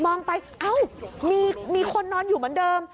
ไปเอ้ามีคนนอนอยู่เหมือนเดิม